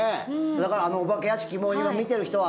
だからあのお化け屋敷も今見てる人は。